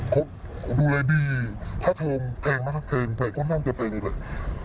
เขาดูแลดีค่าเทอมแพงมากแพงแพงแพงแพงแพงแพงแพงแพง